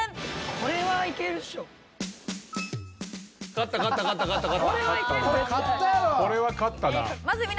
これは勝ったな。